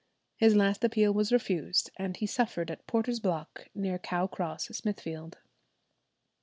His last appeal was refused, and he suffered at Porter's Block, near Cow Cross, Smithfield.